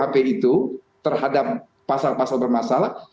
konsep kuhp itu terhadap pasal pasal bermasalah